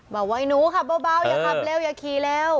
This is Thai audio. บอกไว้หนูขับเบาอย่าขับเร็วอย่าขี่เร็ว